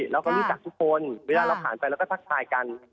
เราก็รู้จักทุกคนเวลาเราผ่านไปเราก็ทักทายกัน